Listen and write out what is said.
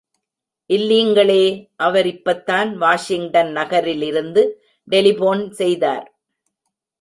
இல்லீங்களே, அவர் இப்பத்தான் வாஷிங்டன் நகரிலிருந்து டெலிபோன் செய்தார்.